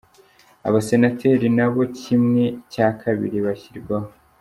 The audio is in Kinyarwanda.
Abasenateri nabo kimwe cya kabiri bashyirwaho.